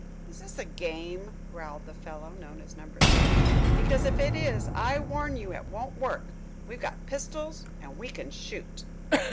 "Is this a game?" growled the fellow, known as Number Three. "Because if it is, I warn you it won't work. We've got pistols and we can shoot."